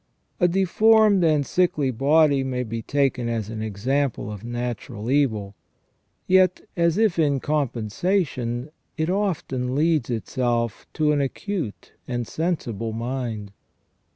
A deformed and sickly body may be taken as an example of natural evil ; yet, as if in compensation, it often lends itself to an acute and sensible mind.